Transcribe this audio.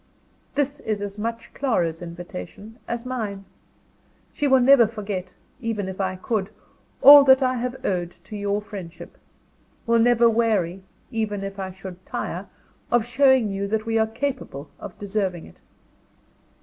This is as much Clara's invitation as mine. She will never forget (even if I could!) all that I have owed to your friendship will never weary (even if I should tire!) of showing you that we are capable of deserving it.